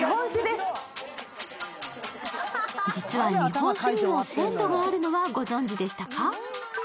実は日本酒にも鮮度があるのはご存じでしたか？